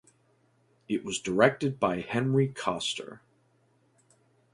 It was directed by Henry Koster.